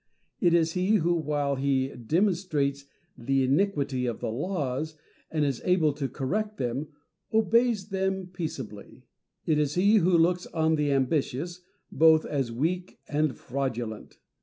It is he who, while he demonstrates the iniquity of the laws, and is able to correct them, obeys them peaceably. It is he who looks on the ambitious both as weak and fraudulent.